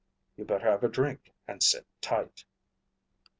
"You better have a drink and sit tight."